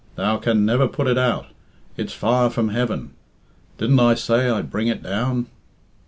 Thou can never put it out. It's fire from heaven. Didn't I say I'd bring it down?"